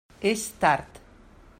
És tard.